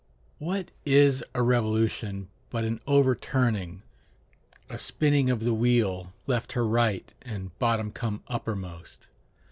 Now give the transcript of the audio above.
] What is a revolution but an overturning, a spinning of the wheel, left to right, and bottom come uppermost?